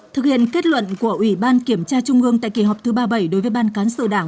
thực hiện kết luận của ubkt tại kỳ họp thứ ba mươi bảy đối với ban cán sự đảng